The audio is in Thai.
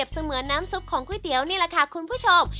เสมือนน้ำซุปของก๋วยเตี๋ยวนี่แหละค่ะคุณผู้ชม